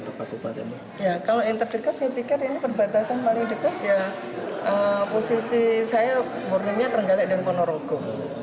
kalau yang terdekat saya pikir ini perbatasan paling dekat ya posisi saya murninya terenggalek dan ponorogo